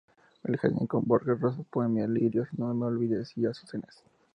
El jardín con bojes, rosas, peonías, lirios, no-me-olvides y azucenas.